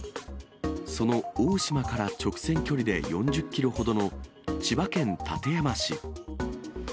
その大島から直線距離で４０キロほどの千葉県館山市。